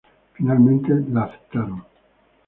Finalmente la aceptaron.